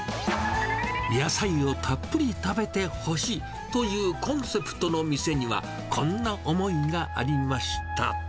野菜をたっぷり食べてほしいというコンセプトの店には、こんな思いがありました。